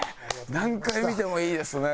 何回見てもいいですね